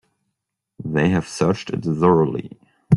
They have searched it thoroughly.